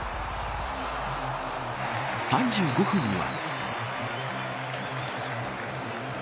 ３５分には。